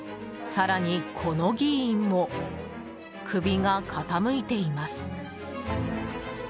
更に、この議員も首が傾いています。